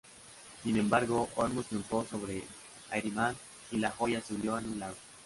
Sin embargo, Ormuz triunfó sobre Ahriman y la joya se hundió en un lago.